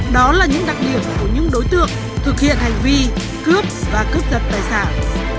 đó là những đặc điểm của những đối tượng thực hiện hành vi cướp và cướp giật tài sản